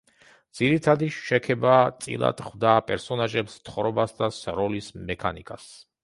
ძირითადი შექება წილად ხვდა პერსონაჟებს, თხრობას და სროლის მექანიკას.